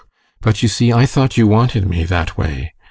But you see, I thought you wanted me that way.